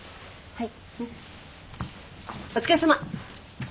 はい。